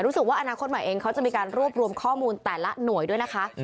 รู้สึกว่าอนาคตใหม่เองเขาจะมีการรวบรวมข้อมูลแต่ละหน่วยด้วยนะคะ